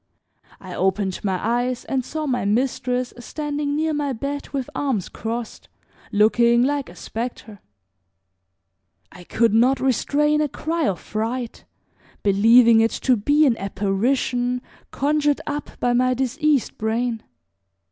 I opened my eyes and saw my mistress standing near my bed with arms crossed, looking like a specter. I could not restrain a cry of fright, believing it to be an apparition conjured up by my diseased brain.